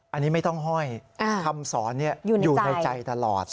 อันนี้ไม่ต้องห้อยคำสอนอยู่ในใจตลอด